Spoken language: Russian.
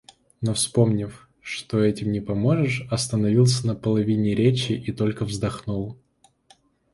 Но вспомнив, что этим не поможешь, остановился на половине речи и только вздохнул.